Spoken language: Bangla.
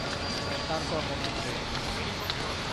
তার কর্মক্ষেত্রে।